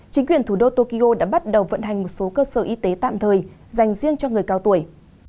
chính quyền thủ đô tokyo đã bắt đầu vận hành một số cơ sở y tế tạm thời dành riêng cho người cao tuổi